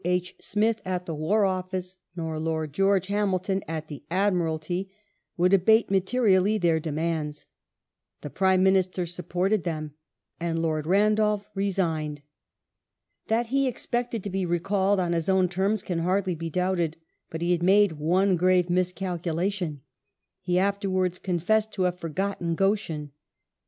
H. Smith at the War Office, nor Lord George Hamilton at the Admiralty, would abate materially their demands ; the Prime Minister supported them and Lord Randolph resigned. That he expected to be recalled »on his own terms can hardly be doubted ; but he had made one grave miscalculation. He after wards confessed to having " forgotten Goschen